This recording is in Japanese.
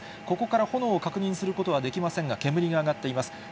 ここから炎を確認することはできませんが、煙が上がっています。